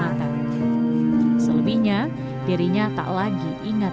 akan mohonuwu integration bank